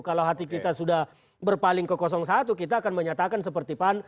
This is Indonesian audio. kalau hati kita sudah berpaling ke satu kita akan menyatakan seperti pan